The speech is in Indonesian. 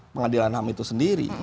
pengadilan ham itu sendiri